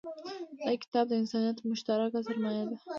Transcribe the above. دا کتاب د انسانیت مشترکه سرمایه ده.